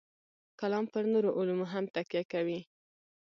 کلام پر نورو علومو هم تکیه کوي.